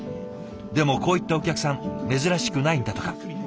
でもこういったお客さん珍しくないんだとか。